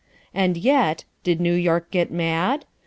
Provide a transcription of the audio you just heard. And yet did New York get mad?